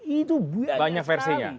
itu banyak sekali